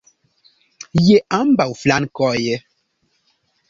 Je ambaŭ flankoj!